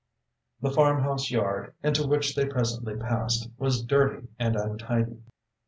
The farmhouse yard, into which they presently passed, was dirty and untidy.